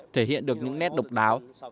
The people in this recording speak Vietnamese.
thể hiện được những nét độc đáo